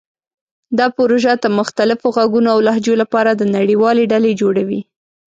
دا پروژه د مختلفو غږونو او لهجو لپاره د نړیوالې ډلې جوړوي.